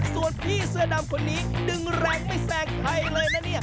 ส่วนพี่เสื้อดำคนนี้ดึงแรงไม่แซงใครเลยนะเนี่ย